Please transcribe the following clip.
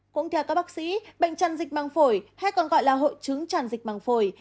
cũng theo các bác sĩ bệnh chân dịch măng phổi hay còn gọi là hội chứng tràn dịch măng phổi